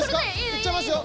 行っちゃいますよ。